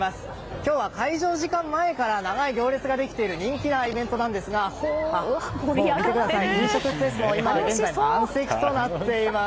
今日は開場時間前から長い行列ができている人気のイベントですが飲食スペースも満席となっています。